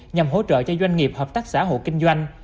nhằm hỗ trợ cho doanh nghiệp hợp tác xã hội kinh doanh